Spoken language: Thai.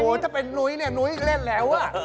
ถ้าเป็นนุ้ยเนี่ยนุ้ยเล่นแล้ว